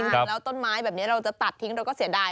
แล้วต้นไม้แบบนี้เราจะตัดทิ้งเราก็เสียดาย